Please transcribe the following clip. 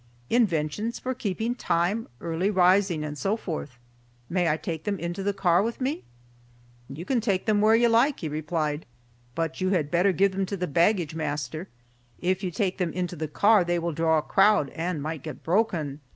"Inventions for keeping time, early rising, and so forth. May I take them into the car with me?" "You can take them where you like," he replied, "but you had better give them to the baggage master. If you take them into the car they will draw a crowd and might get broken."